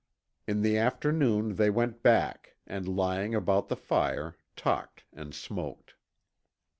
In the afternoon they went back, and lying about the fire, talked and smoked.